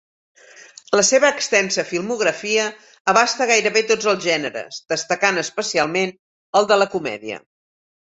La seva extensa filmografia abasta gairebé tots els gèneres, destacant especialment el de la comèdia.